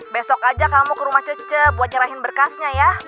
besok aja kamu ke rumah cece buat nyerahin berkasnya ya